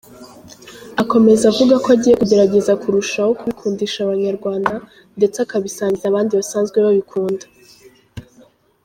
Akomeza avuga ko agiye kugerageza kurushaho kubikundisha abanyarwanda ndetse akabisangiza abandi basanzwe babikunda.